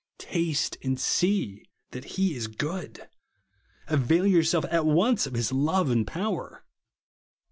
Taste and see that he is good. Avail yourself at once of his love and powder.